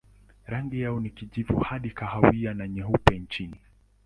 Rangi yao ni kijivu hadi kahawia na nyeupe chini.